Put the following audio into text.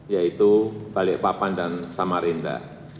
yaitu balikpapan dan samarinda